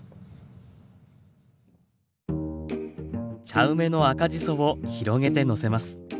茶梅の赤じそを広げてのせます。